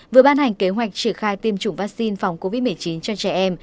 vừa ban hành kế hoạch triển khai tiêm chủng vaccine phòng covid một mươi chín cho trẻ em